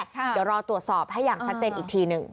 เดี๋ยวรอตรวจสอบให้อย่างชัดเจนอีกทีหนึ่ง